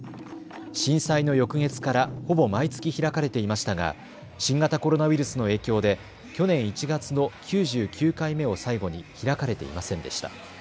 震災の翌月からほぼ毎月開かれていましたが新型コロナウイルスの影響で去年１月の９９回目を最後に開かれていませんでした。